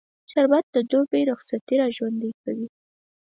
شربت د دوبی رخصتي راژوندي کوي